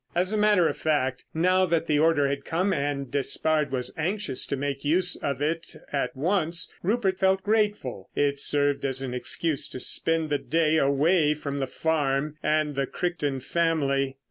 As a matter of fact, now that the order had come and Despard was anxious to make use of it at once, Rupert felt grateful. It served as an excuse to spend the day away from the farm—and the Crichton family.